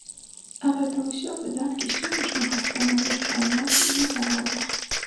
Гэта ўсё выдаткі сённяшняга становішча ў нас на заводах.